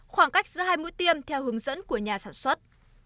khoảng cách giữa hai mũi tiêm theo hướng dẫn của nhà sản xuất